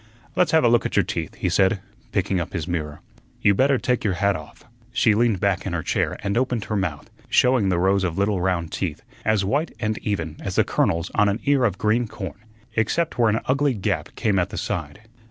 "Let's have a look at your teeth," he said, picking up his mirror. "You better take your hat off." She leaned back in her chair and opened her mouth, showing the rows of little round teeth, as white and even as the kernels on an ear of green corn, except where an ugly gap came at the side.